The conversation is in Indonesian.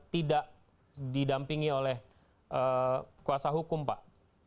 tidak didampingi oleh kuasa hukum pak